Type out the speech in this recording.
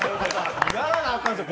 やらなあかんのですよ